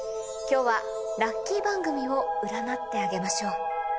今日はラッキー番組を占ってあげましょう。